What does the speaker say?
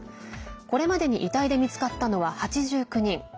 これまでに遺体で見つかったのは８９人。